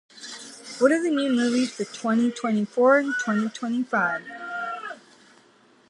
The film blends elements of dark comedy and drama in its storytelling.